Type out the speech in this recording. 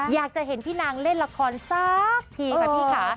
อยากจะเห็นพี่นางเล่นละครสักทีค่ะพี่ค่ะ